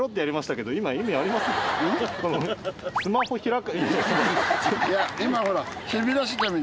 スマホ開く。